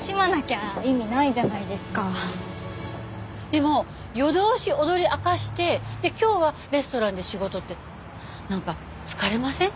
でも夜通し踊り明かして今日はレストランで仕事ってなんか疲れません？